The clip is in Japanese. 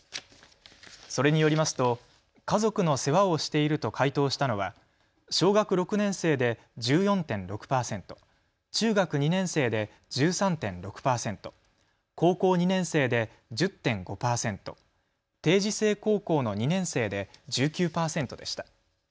それによりますと家族の世話をしていると回答したのは小学６年生で１４．６％、中学２年生で１３．６％、高校２年生で１０．５％、定時制高校の２年生で１９％でした。